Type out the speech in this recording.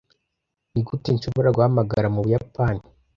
Nigute nshobora guhamagara mu Buyapani?